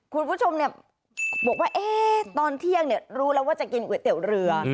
คุณผู้ชมบอกว่าตอนเที่ยงรู้แล้วว่าจะกินก๋วยเตี๋ยวเรือ